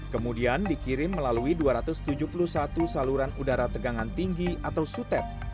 kemudian dikirim melalui dua ratus tujuh puluh satu saluran udara tegangan tinggi atau sutet